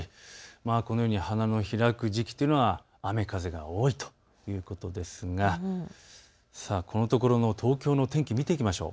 このように花が開く時期というのは雨風が多いということですがこのところの東京の天気見ていきましょう。